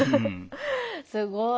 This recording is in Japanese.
すごい。